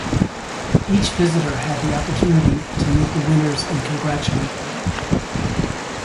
Each visitor had the opportunity to meet the winners and congratulate them.